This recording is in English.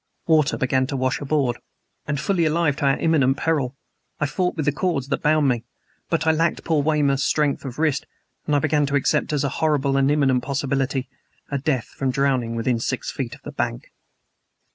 Water began to wash aboard. Fully alive to our imminent peril, I fought with the cords that bound me; but I lacked poor Weymouth's strength of wrist, and I began to accept as a horrible and imminent possibility, a death from drowning, within six feet of the bank.